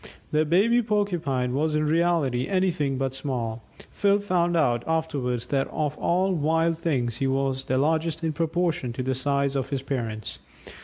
The baby Porcupine was in reality anything but "small"; Phil found out afterwards that of all wild things he was the largest in proportion to the size of his parents.